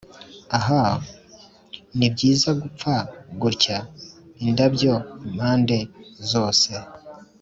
ah! nibyiza gupfa gutya, indabyo impande zose,